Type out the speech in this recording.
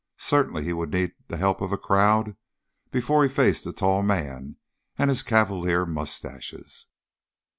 Certainly he would need the help of a crowd before he faced the tall man and his cavalier mustaches.